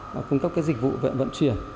và cung cấp các dịch vụ vận chuyển